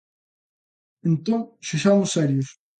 Entón, sexamos serios.